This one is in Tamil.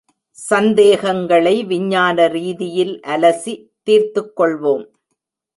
சந்தேகங்களை விஞ்ஞான ரீதியில் அலசி, தீர்த்துக் கொள்வோம்.